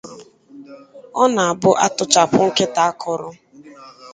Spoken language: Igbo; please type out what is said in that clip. Ọ na-abụ a tụchapụ nkịta akọrọ